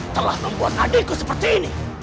telah membuat adikku seperti ini